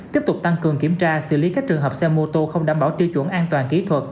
tiếp tục tăng cường kiểm tra xử lý các trường hợp xe mô tô không đảm bảo tiêu chuẩn an toàn kỹ thuật